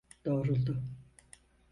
Doğruldu.